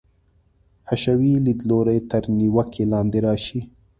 حشوي لیدلوری تر نیوکې لاندې راشي.